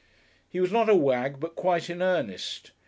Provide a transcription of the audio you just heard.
He was not a wag, but quite in earnest.